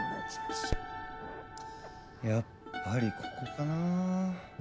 やっぱりここかなあ何？